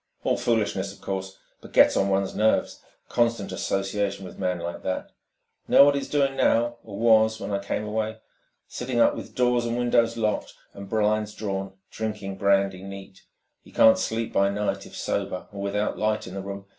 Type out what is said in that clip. "All foolishness, of course, but 'gets on one's nerves ... constant association with man like that.... 'Know what he's doing now, or was, when I came away? Sitting up with doors and windows locked and blinds drawn, drinking brandy neat. He can't sleep by night if sober, or without 'light in the room.